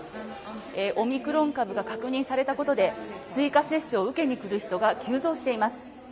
オミクロン株が確認されたことで追加接種を受けに来る人が急増しています。